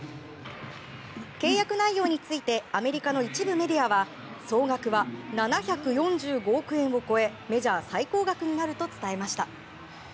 契約内容についてアメリカの一部メディアは総額は７４５億円を超えメジャー最高額になると伝えました。